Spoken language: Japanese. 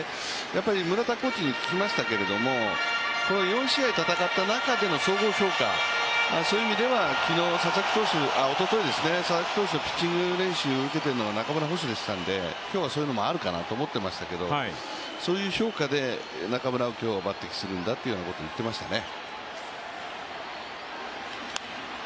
村田コーチに聞きましたけれども、この４試合戦った中での総合評価、そういう意味ではおととい佐々木投手のピッチング練習を受けているのは中村捕手でしたので今日はそういうのもあるかなと思っていましたけどそういう評価で中村を今日抜てきするんだと言っていましたね。